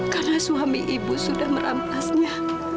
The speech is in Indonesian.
karena suami ibu sudah merampasnya